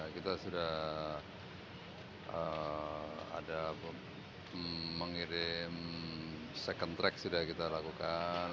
kita sudah ada mengirim second track sudah kita lakukan